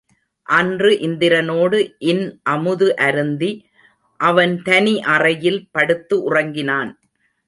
அன்று இந்திரனோடு இன் அமுது அருந்தி அவன் தனி அறையில் படுத்து உறங்கினான்.